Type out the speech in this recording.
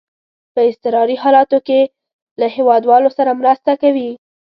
په اضطراري حالاتو کې له هیوادوالو سره مرسته کوي.